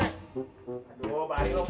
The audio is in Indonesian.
aduh bari lu